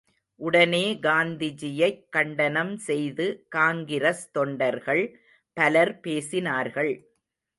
உடனே காந்திஜியைக் கண்டனம் செய்து காங்கிரஸ் தொண்டர்கள் பலர் பேசினார்கள்.